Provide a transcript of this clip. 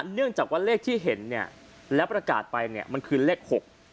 เนื่องจากว่าเลขที่เห็นเนี่ยแล้วประกาศไปเนี่ยมันคือเลขหก